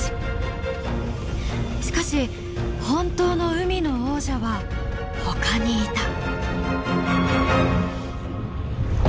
しかし本当の海の王者はほかにいた。